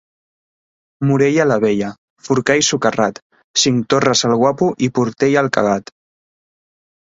Morella la Vella, Forcall socarrat, Cinctorres el guapo i Portell el cagat.